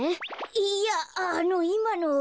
いやあのいまのは。